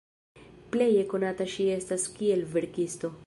Pleje konata ŝi estas kiel verkisto.